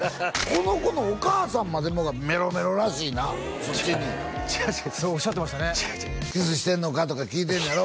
この子のお母さんまでもがメロメロらしいな違う違う違う違う違う「キスしてんのか？」とか聞いてんねやろ？